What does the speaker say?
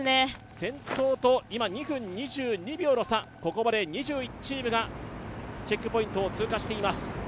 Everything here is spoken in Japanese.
先頭と２分２２秒の差、ここまで２１チームがチェックポイントを通過しています。